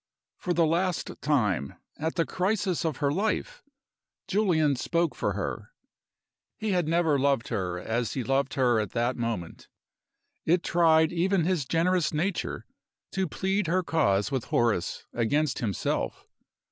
For the last time at the crisis of her life Julian spoke for her. He had never loved her as he loved her at that moment; it tried even his generous nature to plead her cause with Horace against himself.